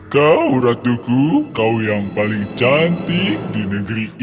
kau ratuku kau yang paling cantik di negeri ini